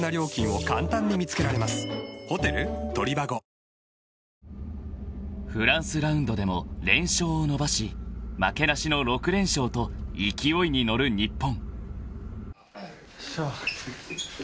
いいじゃないだって［フランスラウンドでも連勝を伸ばし負けなしの６連勝と勢いに乗る日本］